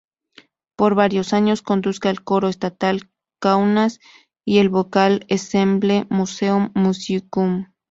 Por varios años conduzca el coro estatal Kaunas y el Vocal Ensemble Museum Musicum.